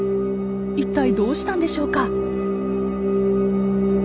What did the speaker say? いったいどうしたんでしょうか？